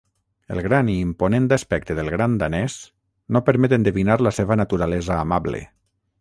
El gran i imponent aspecte del gran danès no permet endevinar la seva naturalesa amable.